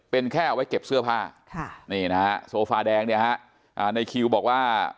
เป็นแค่เอาไว้เก็บเสื้อผ้านี่นะฮะโซฟาแดงเนี่ยฮะในคิวบอกว่า